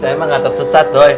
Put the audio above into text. saya emang gak tersesat doh